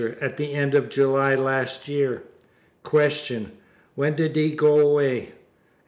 At the end of July, last year. Q. When did he go away? A.